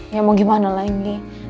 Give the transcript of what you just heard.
ya mau gimana lagi